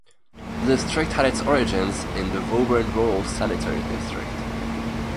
The district had its origins in the Woburn Rural Sanitary District.